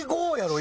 今。